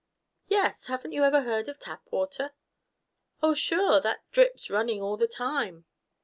"Yes. Haven't you ever heard of Tapwater?" "Oh, sure! That drip's running all the time!"